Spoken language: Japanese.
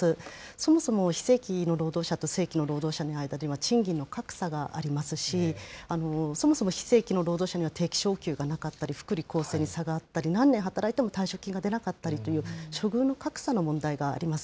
そもそも非正規の労働者と正規の労働者の間では、賃金の格差がありますし、そもそも非正規の労働者には定期昇給がなかったり、福利厚生に差があったり、何年働いても退職金が出なかったりという、処遇の格差の問題があります。